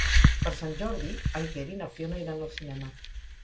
Per Sant Jordi en Quer i na Fiona iran al cinema.